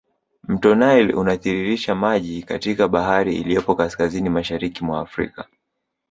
Mto nile unatiririsha maji katika bahari iliyopo kaskazini mashariki mwa afrika